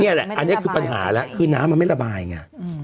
นี่แหละอันนี้คือปัญหาแล้วคือน้ำมันไม่ระบายไง